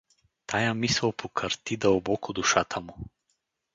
Тая мисъл покърти дълбоко душата му.